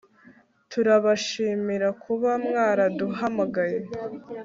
Turabashimira kuba mwaraduhamagaye